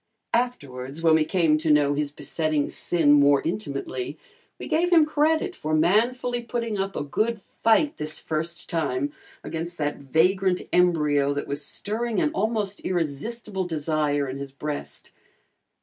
Afterwards, when we came to know his besetting sin more intimately, we gave him credit for manfully putting up a good fight this first time against that vagrant embryo that was stirring an almost irresistible desire in his breast.